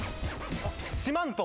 しまんと。